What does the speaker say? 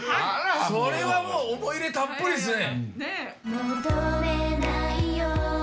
それはもう思い入れたっぷりですね。